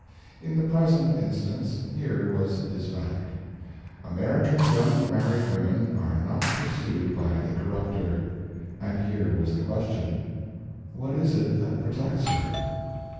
In the present instance here was his fact: American young married women are not pursued by the corruptor; and here was the question: What is it that protects her?